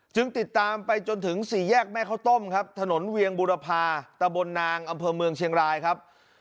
ติดตามไปจนถึงสี่แยกแม่ข้าวต้มครับถนนเวียงบุรพาตะบนนางอำเภอเมืองเชียงรายครับ